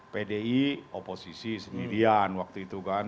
pdi oposisi semedian waktu itu kan